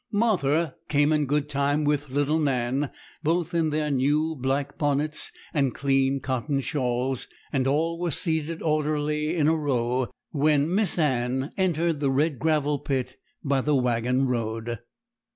Martha came in good time with little Nan, both in their new black bonnets and clean cotton shawls; and all were seated orderly in a row when Miss Anne entered the Red Gravel Pit by the waggon road.